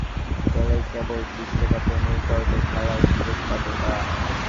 বাছাইয়ে নিজেদের গ্রুপের শীর্ষস্থান পেলেই কেবল বিশ্বকাপের মূলপর্বে খেলার সুযোগ পাবে তারা।